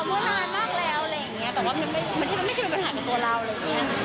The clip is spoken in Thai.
เมื่อนานมากแล้วแต่ว่ามันไม่ใช่ปัญหากับตัวเราเลย